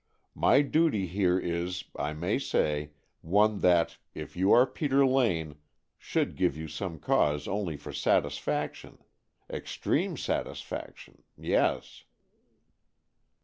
My duty here is, I may say, one that, if you are Peter Lane, should give you cause only for satisfaction. Extreme satisfaction. Yes!"